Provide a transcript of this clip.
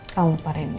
kawan pak rendy